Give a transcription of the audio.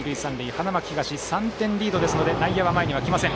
花巻東、３点リードですので内野は前に来ません。